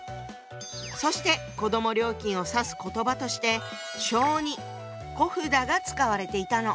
そして子ども料金を指す言葉として小児小札が使われていたの。